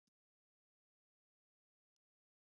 باطل له منځه ځي